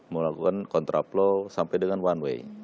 melakukan kontraplow sampai dengan one way